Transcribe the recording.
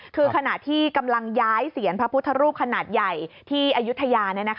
คือขณะที่กำลังย้ายเสียนพระพุทธรูปขนาดใหญ่ที่อายุทยา